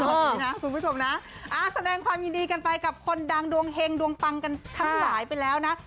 แบบนี้นะคุณผู้ชมนะแสดงความยินดีกันไปกับคนดังดวงเฮงดวงปังกันทั้งหลายไปแล้วนะ